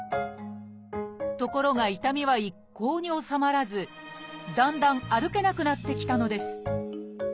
ところが痛みは一向に治まらずだんだん歩けなくなってきたのです。